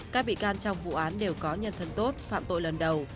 các bị can trong vụ án đều có nhân thân tốt phạm tội lần đầu